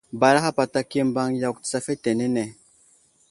Baraha patak i mbaŋ yakw tsa fetenene.